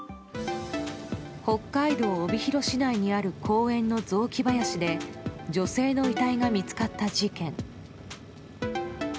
北海道帯広市内にある公園の雑木林で女性の遺体が見つかった事件。